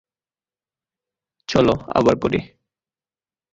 চল, আবার করি।